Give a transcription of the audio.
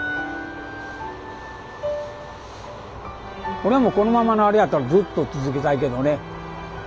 俺はもうこのままのあれやったらずっと続けたいけどね